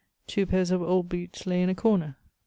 Two pairs of old boots lay in a corner.